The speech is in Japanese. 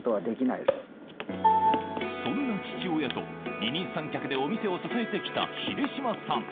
そんな父親と二人三脚でお店を支えて来た秀島さん